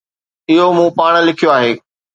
اهو مون پاڻ لکيو آهي.